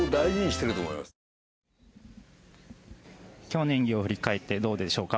今日の演技を振り返ってどうでしょうか？